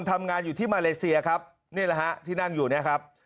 ทำงานอยู่ที่มาเลเซียครับนี่แหละฮะที่นั่งอยู่เนี่ยครับ